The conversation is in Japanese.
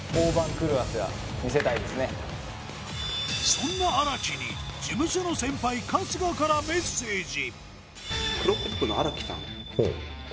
そんな荒木に事務所の先輩、春日からメッセージ。